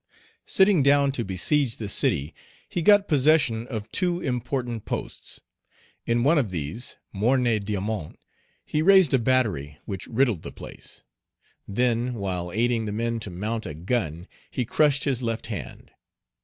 Sitting down to besiege the city, he got possession of two important posts. In one of these, Morne Diamant, he raised a battery which riddled the place. Then, while aiding the men to mount a gun, he crushed his left hand.